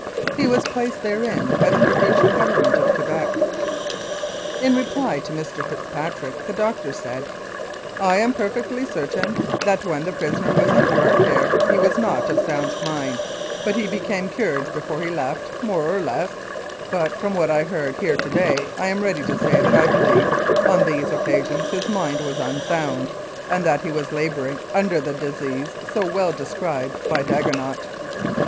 He was placed therein by the Provincial Government of Quebec. In reply to Mr. Fitzpatrick, the doctor said :" I am perfectly certain that when the prisoner was under our care he was not of sound mind, but he became cured before he left, more or less ; but from what I heard here to day I am ready to say that I believe on these occa sions his mind was unsound, and that he was labouring under the disease so well described by Dagonot."